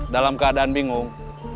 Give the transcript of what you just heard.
dalam keadaan bingung